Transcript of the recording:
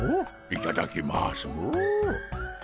いただきますモ。